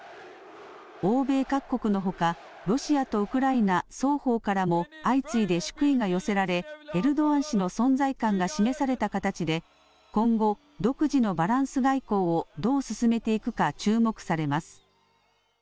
欧米各国のほか、ロシアとウクライナ双方からも相次いで祝意が寄せられ、エルドアン氏の存在感が示された形で、今後、独自のバランス外交をどう進めていくか注目されます。